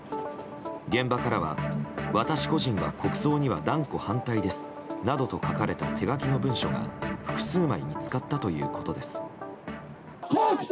現場からは「私個人は国葬には断固反対です」などと書かれた手書きの文書が複数枚見つかったということです。